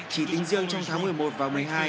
chỉ tính riêng trong tháng một mươi một và một mươi hai